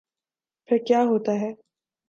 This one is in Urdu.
پھر کیا ہوتا ہے۔